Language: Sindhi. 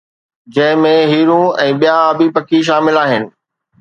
جنهن ۾ هيرون ۽ ٻيا آبي پکي شامل آهن